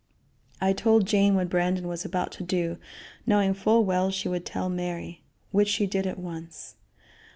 I told Jane what Brandon was about to do, knowing full well she would tell Mary; which she did at once.